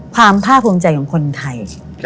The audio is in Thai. ความผ้าภูมิใจของคนไทย